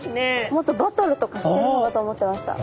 もっとバトルとかしてるのかと思ってました。